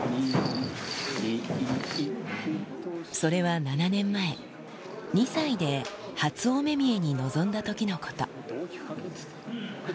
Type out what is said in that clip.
それは７年前、２歳で初お目見えに臨んだときのこと。